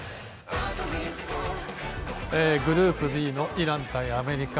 グループＢのイラン対アメリカ。